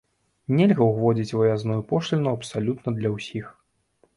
Нельга ўводзіць выязную пошліну абсалютна для ўсіх.